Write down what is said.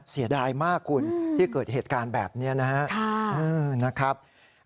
เสียดายมากคุณที่เกิดเหตุการณ์แบบนี้นะครับ